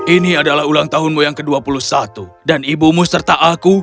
ini adalah ulang tahunmu yang ke dua puluh satu dan ibumu serta aku